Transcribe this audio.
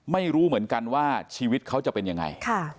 ไม่รู้เหมือนกันว่าชีวิตเขาจะเป็นยังไง